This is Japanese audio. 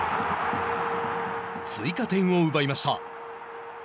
追加点を奪いました。